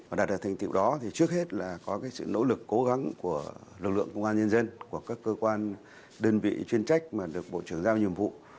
và đạt được thành tiệu đó thì trước hết là có cái sự nỗ lực cố gắng của lực lượng công an nhân dân của các cơ quan đơn vị chuyên trách mà được bộ trưởng giao nhiệm vụ